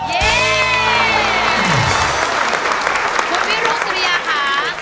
คุณพี่รุ่งสุริยาค่ะ